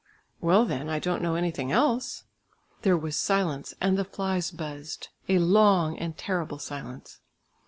"Well, then, I don't know anything else." There was silence and the flies buzzed, a long and terrible silence.